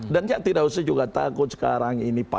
tidak usah juga takut sekarang ini